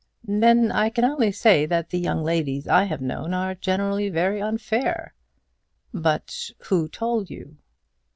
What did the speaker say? "Then I can only say that the young ladies I have known are generally very unfair." "But who told you?"